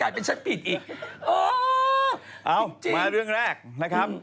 มาเรื่องแรกนะครับ